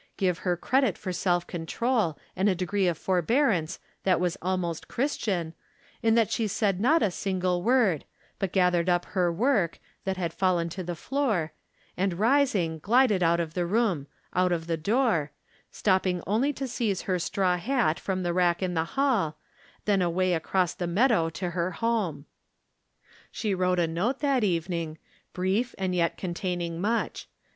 Give her credit for self control and a degree of forbearance that was almost Christian, in that she said not a single word, but gathered up her work, that had fallen to the floor, and rising glided out of the room — out of the door — stopping only to seize her straw hat from the rack in the hall, then away across the meadow to her home. She wrote a note that evening — ^brief, and yet containing much.